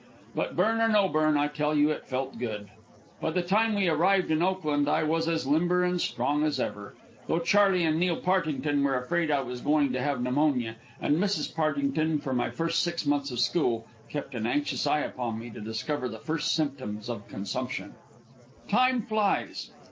But burn or no burn, I tell you it felt good. By the time we arrived in Oakland I was as limber and strong as ever, though Charley and Neil Partington were afraid I was going to have pneumonia, and Mrs. Partington, for my first six months of school, kept an anxious eye upon me to discover the first symptoms of consumption. Time flies.